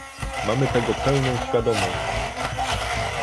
Mamy tego pełną świadomość